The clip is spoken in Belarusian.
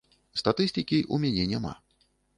Статыстыкі ў мяне няма.